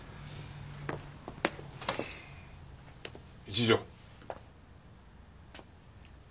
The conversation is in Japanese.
一条。